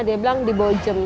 dia bilang di bojem